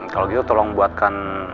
kalau gitu tolong buatkan